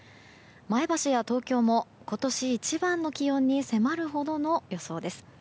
前橋や東京も今年一番の気温に迫るほどの予想です。